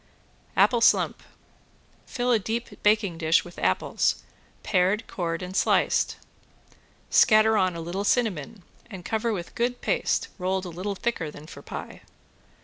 ~APPLE SLUMP~ Fill a deep baking dish with apples, pared, cored and sliced. Scatter on a little cinnamon and cover with good paste rolled a little thicker than for pie.